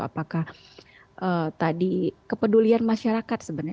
apakah tadi kepedulian masyarakat sebenarnya